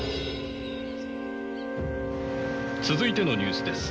「続いてのニュースです。